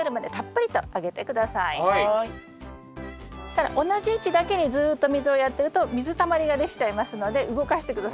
ただ同じ位置だけにずっと水をやってると水たまりができちゃいますので動かして下さい。